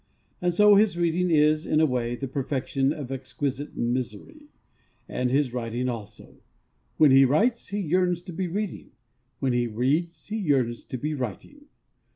And so his reading is, in a way, the perfection of exquisite misery and his writing also. When he writes, he yearns to be reading; when he reads, he yearns to be writing.